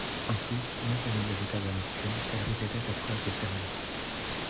Ainsi, non sans une véritable amertume, elle répéta cette phrase de sermon.